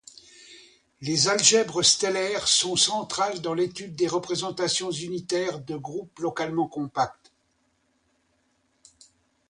Les algèbres stellaires sont centrales dans l'étude des représentations unitaires de groupes localement compacts.